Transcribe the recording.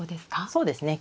そうですね。